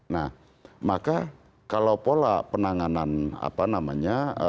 nah maka kalau pola penanganan apa namanya